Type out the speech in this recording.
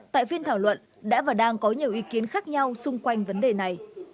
tại phiên thảo luận đã và đang có nhiều ý kiến khác nhau xung quanh vấn đề này